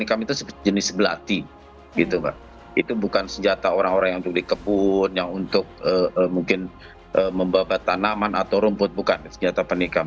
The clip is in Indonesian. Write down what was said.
itu bukan senjata orang orang yang untuk dikeput yang untuk mungkin membawa tanaman atau rumput bukan senjata penikam